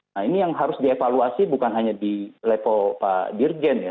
nah ini yang harus dievaluasi bukan hanya di level pak dirjen ya